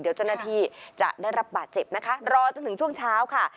เดี๋ยวเจ้าหน้าที่จะได้รับบาดเจ็บนะคะรอจนถึงช่วงเช้าค่ะ